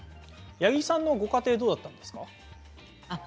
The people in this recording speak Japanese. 八木さんのご家庭はどうだったんですか。